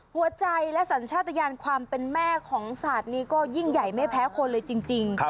หัวใจและสัญชาติยานความเป็นแม่ของศาสตร์นี้ก็ยิ่งใหญ่ไม่แพ้คนเลยจริง